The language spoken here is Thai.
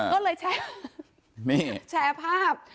ก็เลยแชร์ภาพ